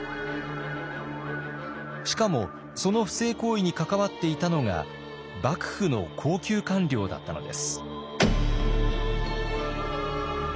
しかもその不正行為に関わっていたのが幕府の高級官僚だったのです。